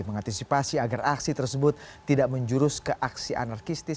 mengantisipasi agar aksi tersebut tidak menjurus ke aksi anarkistis